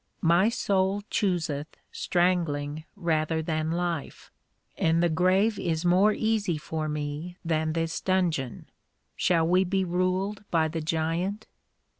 My soul chuseth strangling rather than life, and the Grave is more easy for me than this Dungeon. Shall we be ruled by the Giant?